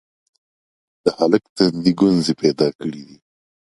د هلک تندي ګونځې پيدا کړې: